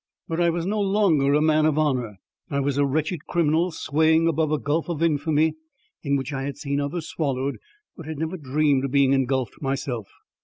But I was no longer a man of honour. I was a wretched criminal swaying above a gulf of infamy in which I had seen others swallowed but had never dreamed of being engulfed myself.